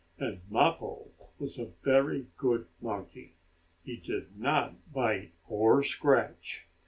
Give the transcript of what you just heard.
And Mappo was a very good monkey. He did not bite or scratch.